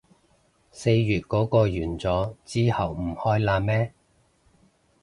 四月嗰個完咗，之後唔開喇咩